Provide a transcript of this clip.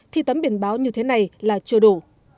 thì tấm biển báo như thế này là chưa đủ